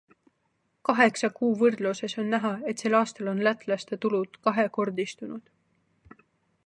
Kaheksa kuu võrdluses on näha, et sel aastal on lätlaste tulud kahekordistunud.